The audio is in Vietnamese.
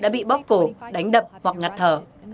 bóc cổ đánh đập hoặc ngặt thở